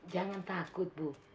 jangan takut bu